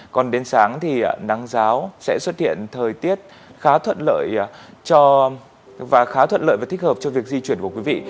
còn đến sáng thì nắng giáo sẽ xuất hiện thời tiết khá thuận lợi và thích hợp cho việc di chuyển của quý vị